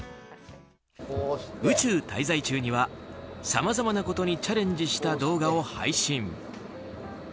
宇宙滞在中にはさまざまなことにチャレンジした動画を配信。